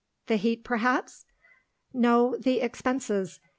"The heat, perhaps?" "No. The expenses.